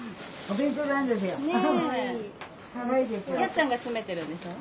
お弁当なんですよ。